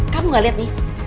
kamu gak liat nih